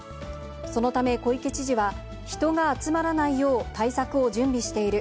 そのため、小池知事は、人が集まらないよう、対策を準備している。